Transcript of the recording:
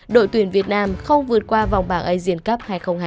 đội tuyển việt nam không vượt qua vòng bảng asian cup hai nghìn hai mươi